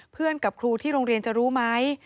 กับครูที่โรงเรียนจะรู้ไหม